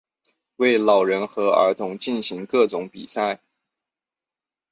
为老人和儿童进行各种比赛。